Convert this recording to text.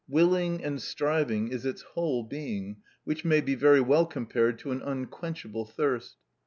Willing and striving is its whole being, which may be very well compared to an unquenchable thirst.